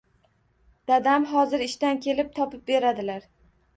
Dadam hozir ishdan kelib topib berdilar